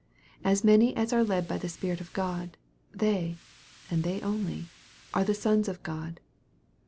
" As many as are led by the Spirit of God, they," and they only, " are the sons of God."